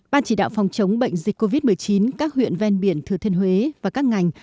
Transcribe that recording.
ban chỉ đạo phòng chống bệnh dịch covid một mươi chín các huyện ven biển thừa thiên huế và các ngành